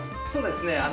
そうですね